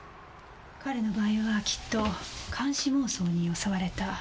彼の場合はきっと監視妄想に襲われた。